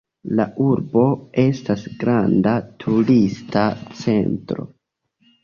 La urbo estas granda turista centro.